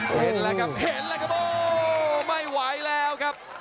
เฮ็ดล่ะครับเฮ็ดล่ะครับโอ๊ไม่ไหวแล้วครับ